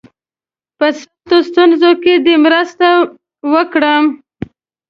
په سختو ستونزو کې دي مرسته وکړم.